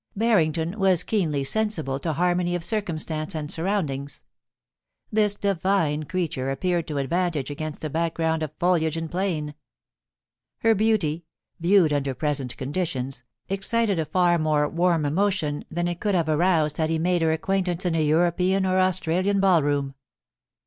Barrington was keenly sensible to harmony of circum stance and surroundings. This divine creature appeared to advantage against a background of foliage and plain. Her beauty, viewed under present conditions, excited a far more warm emotion than it could have aroused had he made her acquaintance in a European or Australian ball room.